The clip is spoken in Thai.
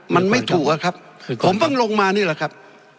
มันไม่ถูกอะครับผมเพิ่งลงมานี่แหละครับ